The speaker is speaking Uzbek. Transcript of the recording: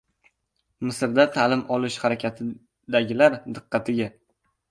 Misrda ta’lim olish harakatidagilar diqqatiga!